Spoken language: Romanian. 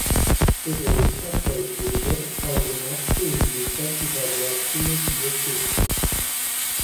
Evoluția prețurilor a urmat tendința și variațiile pieței.